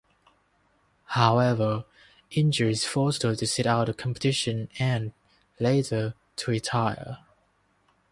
However, injuries forced her to sit out the competition and, later, to retire.